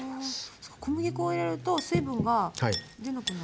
そっか小麦粉を入れると水分が出なくなる。